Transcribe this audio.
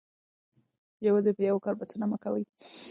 یوازې په یوه کار بسنه مه کوئ.